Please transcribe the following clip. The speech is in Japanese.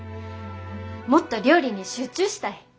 もっと料理に集中したい。